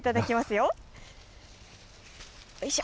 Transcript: よいしょ。